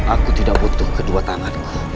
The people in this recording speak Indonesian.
aku tidak butuh kedua tangan